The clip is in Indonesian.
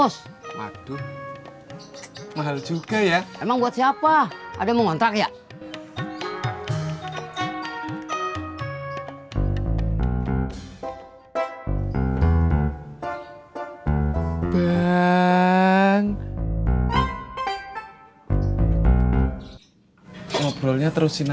sampai jumpa di video selanjutnya